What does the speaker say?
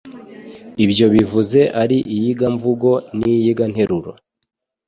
ibyo bivuze ari iyigamvugo n'iyiganteruro